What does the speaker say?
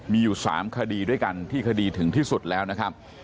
มีอยู่๓คดีด้วยกันที่คดีถึงที่สุดแล้วนะครับ